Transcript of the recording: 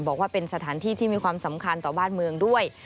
บอกว่าเป็นสถานที่ที่มีความสำคัญต่อบ้านเมืองด้วย